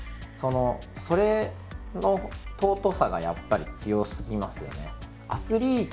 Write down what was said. それの尊さがやっぱり強すぎますよね。